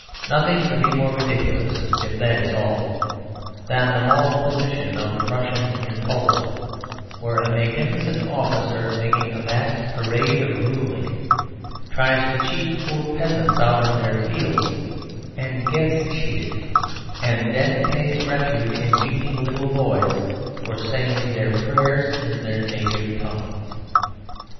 Nothing could be more ridiculous, if that is all, than the moral position of the Prussian in Poland; where a magnificent officer, making a vast parade of "ruling," tries to cheat poor peasants out of their fields (and gets cheated) and then takes refuge in beating little boys for saying their prayers in their native tongue.